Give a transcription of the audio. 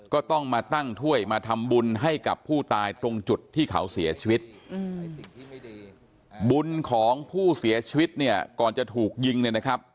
ก็ต้องมาตั้งถ้วยมาทำบุญให้กับผู้ตายตรงจุดที่เขาเสียชีวิตบุญของผู้เสียชีวิตเนี่ยก่อนจะถูกยิงเนี่ยนะครับ